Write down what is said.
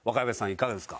いかがですか？